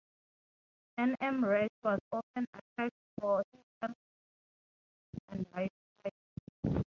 N M Rashed was often attacked for his unconventional views and life style.